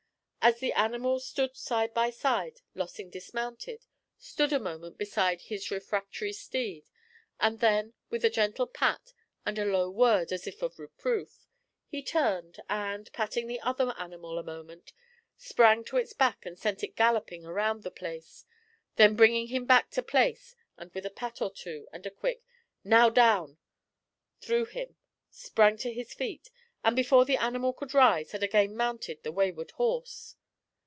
As the animals stood side by side Lossing dismounted, stood a moment beside his refractory steed, and then, with a gentle pat and a low word as if of reproof, he turned and, after patting the other animal a moment, sprang to its back and sent it galloping around the place; then bringing him back to place, and with a pat or two and a quick 'Now down!' threw him, sprang to his feet, and before the animal could rise had again mounted the wayward horse.